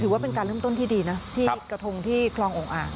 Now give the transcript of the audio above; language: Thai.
ว่าเป็นการเริ่มต้นที่ดีนะที่กระทงที่คลององค์อ่าง